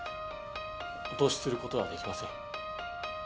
お通しする事はできません。